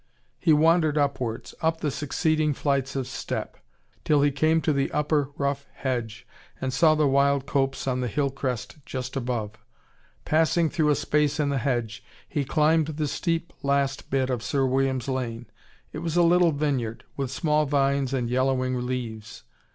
He wandered upwards, up the succeeding flights of step; till he came to the upper rough hedge, and saw the wild copse on the hill crest just above. Passing through a space in the hedge, he climbed the steep last bit of Sir William's lane. It was a little vineyard, with small vines and yellowing leaves.